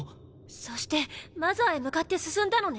そしてマザーへ向かって進んだのね。